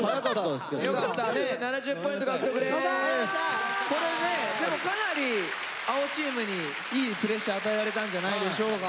強かった７０ポイント獲得ででもかなり青チームにいいプレッシャー与えられたんじゃないでしょうか。